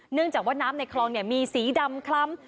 เนื่องจากว่าน้ำในคลองมีสีดำคล้ำ